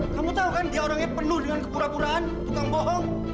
kamu tahu kan dia orangnya penuh dengan kepura puraan tukang bohong